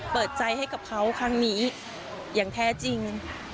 เปิดใจให้กับเขาครั้งนี้อย่างแท้จริง